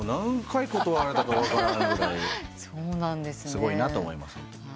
すごいなと思います。